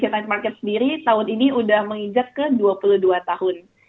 indonesia night market sendiri tahun ini sudah menginjak ke dua puluh dua tahun